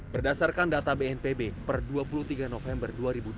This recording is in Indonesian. berdasarkan data bnpb per dua puluh tiga november dua ribu dua puluh